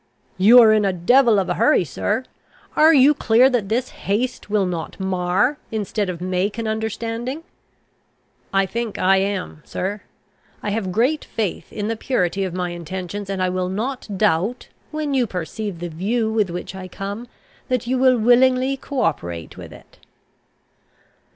"You are in a devil of a hurry, sir. Are you clear that this haste will not mar, instead of make an understanding?" "I think I am, sir. I have great faith in the purity of my intentions, and I will not doubt, when you perceive the view with which I come, that you will willingly co operate with it."